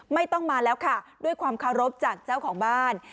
ไม่ต้องมาแล้วค่ะด้วยความเคารพจากเจ้าของบ้าน